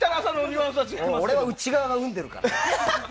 俺は内側が、うんでるから。